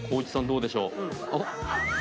どうでしょう？